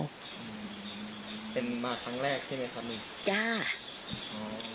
อืมเป็นมาครั้งแรกใช่ไหมครับนี่จ้าอ๋อ